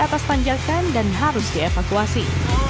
atas tanjakan dan harus dievakuasi